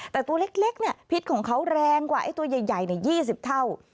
แต่ตัวเล็กพิษของเขาแรงกว่าไอ้ตัวใหญ่๒๐เท่า